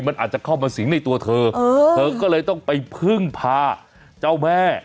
มันอาจจะเข้ามาสิงในตัวเธอเธอก็เลยต้องไปพึ่งพาเจ้าแม่